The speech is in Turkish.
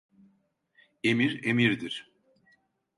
Emir emirdir.